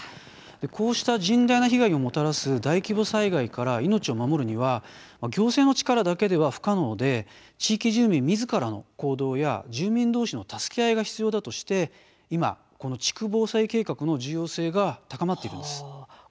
こうした甚大な被害をもたらす大規模災害から命を守るには行政の力だけでは不可能で地域住民みずからの行動や住民どうしの助け合いが必要だとして今、この「地区防災計画」の重要性が高まっているんです。